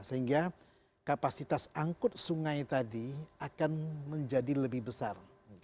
sehingga kapasitas angkut sungai tadi akan menjadi lebih besar